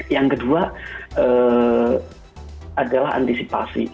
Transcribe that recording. yang kedua adalah antisipasi